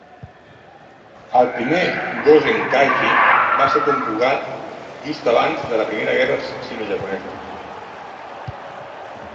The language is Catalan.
El primer "Gozen Kaigi" va ser convocat just abans de la Primera Guerra Sinojaponesa.